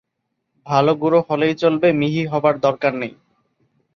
ভালো গুঁড়ো হলেই চলবে, মিহি হবার দরকার নেই।